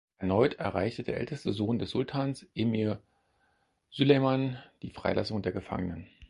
Erneut erreichte der älteste Sohn des Sultans, Emir Süleyman, die Freilassung der Gefangenen.